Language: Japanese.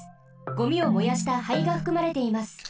ゴミを燃やした灰がふくまれています。